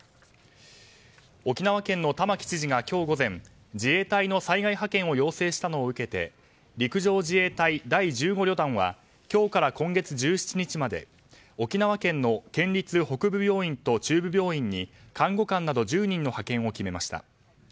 沖縄県の玉城知事が今日午前自衛隊の災害派遣を要請したのを受けて陸上自衛隊第１５旅団は今日から今月１７日まで沖縄県の県立北部病院と中部病院に看護官など１０人の派遣を決めました。